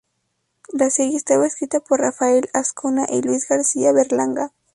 La serie estaba escrita por Rafael Azcona y Luis García Berlanga.